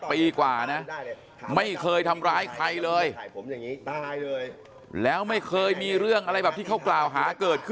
ปีกว่านะไม่เคยทำร้ายใครเลยแล้วไม่เคยมีเรื่องอะไรแบบที่เขากล่าวหาเกิดขึ้น